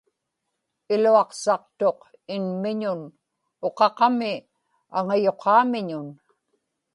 iluaqsaqtuq inmiñun uqaqami aŋayuqaamiñun